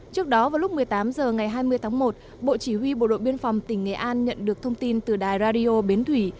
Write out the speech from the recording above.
trước đó vào lúc một mươi tám h ngày hai mươi tháng một bộ chỉ huy bộ đội biên phòng tỉnh nghệ an nhận được thông tin từ đài radio bến thủy